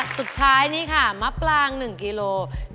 สุดท้ายนี่ค่ะมะปลาง๑กิโล